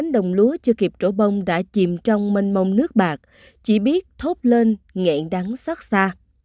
đồng lúa chưa kịp trổ bông đã chìm trong mênh mông nước bạc chỉ biết thốt lên ngại đắng xót xa